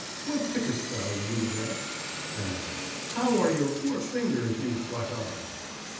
"What Pickest Thou, you Wretch?" and "How are your Poor Fingers, you Blackguard?"